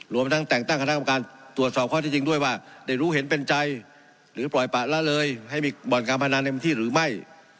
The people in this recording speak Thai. รวมทั้งแต่งตั้งคณะกรรมการตรวจสอบข้อที่จริงด้วยว่าได้รู้เห็นเป็นใจหรือปล่อยปะละเลยให้มีบ่อนการพนันเต็มที่หรือไม่